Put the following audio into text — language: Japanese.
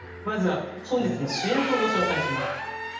まずは本日の主役をご紹介します。